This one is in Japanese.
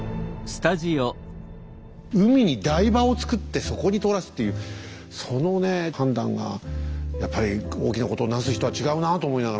海に台場を造ってそこに通らすっていうそのね判断がやっぱり大きなことを成す人は違うなと思いながら見てましたけどね。